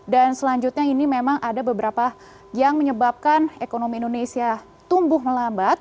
selanjutnya ini memang ada beberapa yang menyebabkan ekonomi indonesia tumbuh melambat